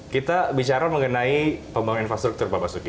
kita bicara mengenai pembangunan infrastruktur pak basuki